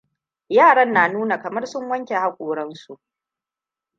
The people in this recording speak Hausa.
Yaran na nuna kamar sun wanke haƙoransu.